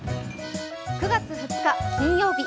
９月２日金曜日。